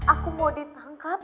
aku mau ditangkap